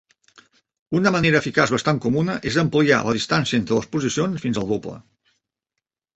Una manera eficaç bastant comuna és ampliar la distància entre les posicions fins al doble.